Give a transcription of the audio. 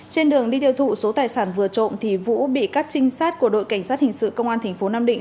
trên đường đi tiêu thụ số tài sản vừa trộm thì vũ bị các trinh sát của đội cảnh sát hình sự công an tp nam định